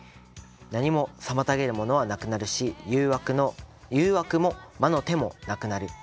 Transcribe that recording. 何も妨げるものはなくなるし誘惑も魔の手もなくなる。